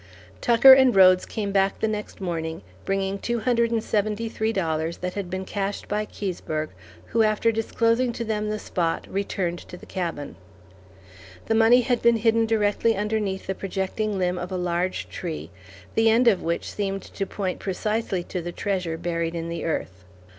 Tucker and Rhodes came back the next morning, bringing $273.00 that had been cached by Keseberg, who after disclosing to them the spot, returned to the cabin. The money had been hidden directly underneath the projecting limb of a large tree, the end of which seemed to point precisely to the treasure buried in the earth.